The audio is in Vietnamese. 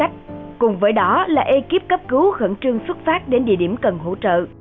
cùng với đó là ekip cấp cứu khẩn trương xuất phát đến địa điểm cần hỗ trợ